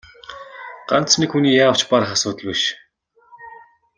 Ганц нэг хүний яавч барах асуудал биш.